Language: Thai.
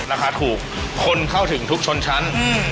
นะคะถูกคนเข้าถึงทุกชนชั้น